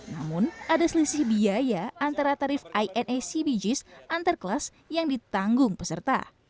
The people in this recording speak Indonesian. namun ada selisih biaya antara tarif ina cbgs antar kelas yang ditanggung peserta